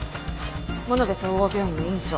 物部総合病院の院長